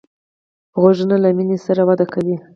غوږونه له مینې سره وده کوي